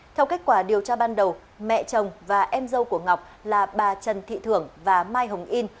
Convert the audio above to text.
theo kết quả điều tra ban đầu mẹ chồng và em dâu của ngọc là bà trần thị thưởng và mai hồng yên